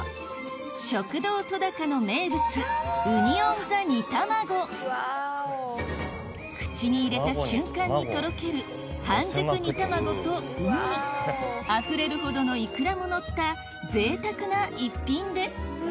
食堂とだかの名物口に入れた瞬間にとろける半熟煮卵とウニあふれるほどのイクラものったぜいたくな逸品です